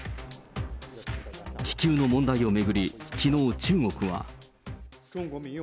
気球の問題を巡り、きのう、中国は。